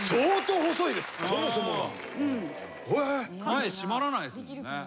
前締まらないですもんね。